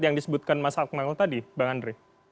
yang disebutkan mas akmal tadi bang andre